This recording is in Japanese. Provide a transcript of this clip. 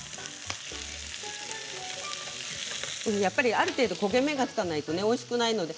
やっぱりある程度焦げ目がつかないとおいしくないので。